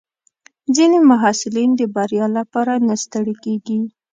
ځینې محصلین د بریا لپاره نه ستړي کېږي.